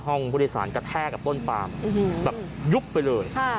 ห้องผู้โดยสารกระแทกกับต้นปลามอือฮือแบบยุบไปเลยค่ะ